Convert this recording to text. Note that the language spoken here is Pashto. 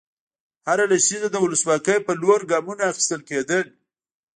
هره لسیزه د ولسواکۍ په لور ګامونه اخیستل کېدل.